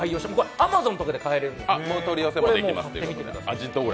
アマゾンとかで買えるので。